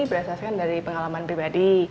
berdasarkan dari pengalaman pribadi